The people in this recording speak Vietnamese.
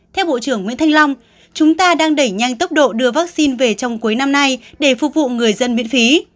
theo bộ trưởng nguyễn thanh long chúng ta đang đẩy nhanh tốc độ đưa vaccine về trong cuối năm nay để phục vụ người dân miễn phí